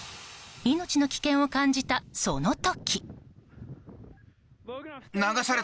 命の危険を感じた、その時。